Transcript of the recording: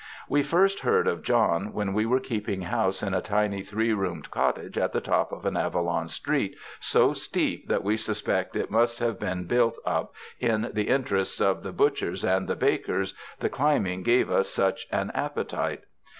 We first heard of John when we were keeping house in a tiny three roomed cottage at the top of an Avalon street so steep that we suspect it must have been built up in the interests of the butchers and the bakers, the climbing gave us such an appe tite!